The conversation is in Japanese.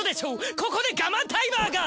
ここでガマンタイマーが！